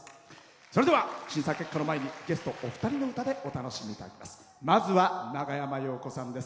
それでは審査結果の前にゲストお二人の歌でお楽しみいただきます。